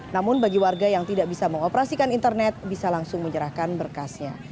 namun bagi warga yang tidak bisa mengoperasikan internet bisa langsung menyerahkan berkasnya